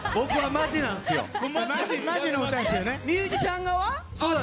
ミュージシャン側。